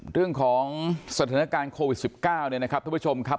เรื่องของสถานการณ์โควิด๑๙ทุกผู้ชมครับ